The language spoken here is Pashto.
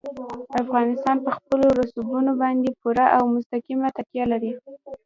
افغانستان په خپلو رسوبونو باندې پوره او مستقیمه تکیه لري.